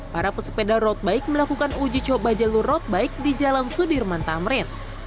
para pesepeda road bike melakukan uji coba jalur road bike di jalan sudirman tamrin